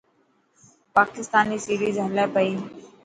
پاڪستان ري سيريز هلي پئي.